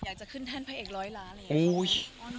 อยากจะขึ้นแท่นพระเอกร้อยล้านอะไรอย่างนี้